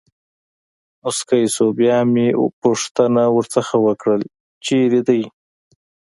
مسکی شو، بیا مې پوښتنه ورڅخه وکړل: چېرې دی.